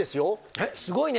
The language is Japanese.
えっすごいね。